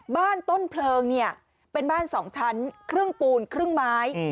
บ้านต้นเพลิงเนี่ยเป็นบ้าน๒ชั้นครึ่งปูนครึ่งไม้